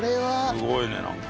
すごいねなんか。